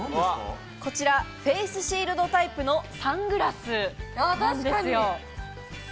フェースシールドタイプのサングラスです。